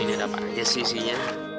ini dapat aja sisinya